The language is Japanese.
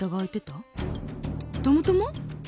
たまたま？